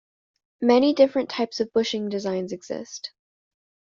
Many different types of bushing designs exist.